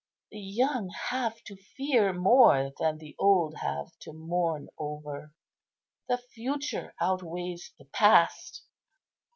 The young have to fear more than the old have to mourn over. The future outweighs the past.